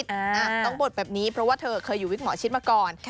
ต้องบดแบบนี้เพราะว่าเธอเคยอยู่วิกหมอชิดมาก่อน